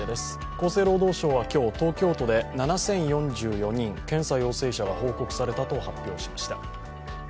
厚生労働省は今日、東京都で７０４４人検査陽性者が報告されたと発表しました。